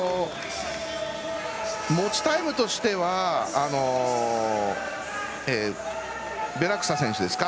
持ちタイムとしてはベラクサ選手ですか。